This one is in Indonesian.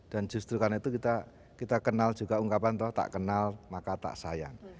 dan justru karena itu kita kenal juga ungkapan tau tak kenal maka tak sayang